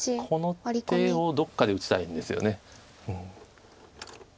この手をどっかで打ちたいんですよね。